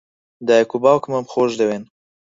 دایک و باوکمم خۆش دەوێن.